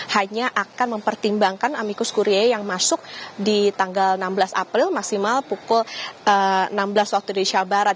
hanya akan mempertimbangkan amikus kurie yang masuk di tanggal enam belas april maksimal pukul enam belas waktu indonesia barat